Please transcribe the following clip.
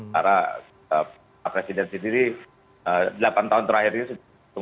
karena presiden sendiri delapan tahun terakhir ini